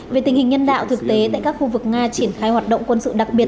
về tình hình nhân đạo thực tế tại các khu vực nga triển khai hoạt động quân sự đặc biệt